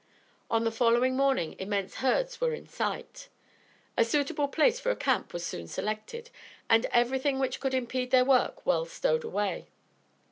On the following morning immense herds were in sight. A suitable place for a camp was soon selected, and everything which could impede their work well stowed away.